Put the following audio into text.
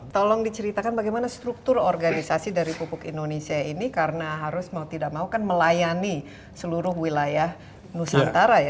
tolong diceritakan bagaimana struktur organisasi dari pupuk indonesia ini karena harus mau tidak mau kan melayani seluruh wilayah nusantara ya